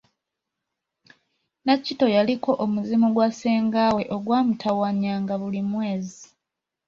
Nakitto yaliko omuzimu gwa senga we ogwa mutawaanyanga buli mwezi.